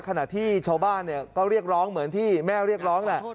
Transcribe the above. ขณะที่ชาวบ้านก็เรียกร้องเหมือนที่แม่เรียกร้องแหละ